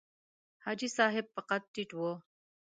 حاجي صاحب په قد ټیټ و.